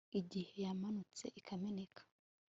igihe yamanutse ikameneka